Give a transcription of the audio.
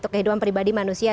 kehidupan pribadi manusia